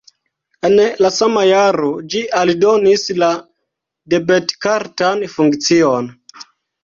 En la sama jaro ĝi aldonis la debetkartan funkcion.